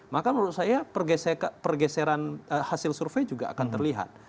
maka menurut saya pergeseran hasil survei juga akan terlihat